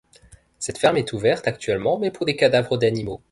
Cette ferme est ouverte actuellement mais pour des cadavres d'animaux.